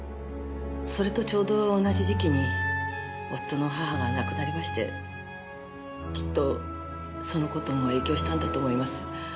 それとちょうど同じ時期に夫の母が亡くなりましてきっとその事も影響したんだと思います。